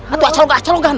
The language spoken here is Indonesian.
atau akan kembali kembali